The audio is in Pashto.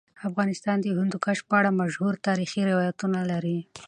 افغانستان د هندوکش په اړه مشهور تاریخی روایتونه لري.